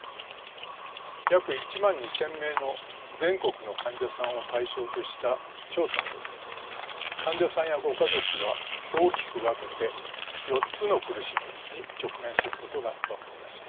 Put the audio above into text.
約１万２，０００名の全国の患者さんを対象とした調査により患者さんやご家族は大きく分けて４つの苦しみに直面することが分かりました。